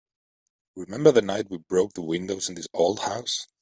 Remember the night we broke the windows in this old house?